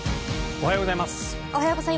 おはようございます。